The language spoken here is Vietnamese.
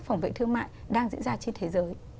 phòng vệ thương mại đang diễn ra trên thế giới